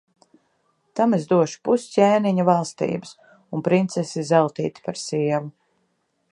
Tam es došu pus ķēniņa valstības un princesi Zeltīti par sievu.